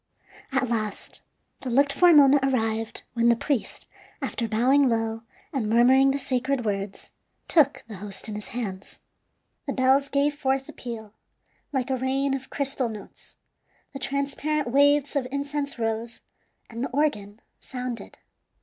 At last the looked for moment arrived, when the priest, after bowing low and murmuring the sacred words, took the host in his hands. The bells gave forth a peal, like a rain of crystal notes; the transparent waves of incense rose, and the organ sounded.